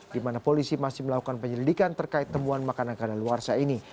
di mana polisi masih melakukan penyelidikan terkait temuan makanan kadaluarsa ini